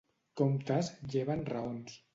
Comptes lleven raons.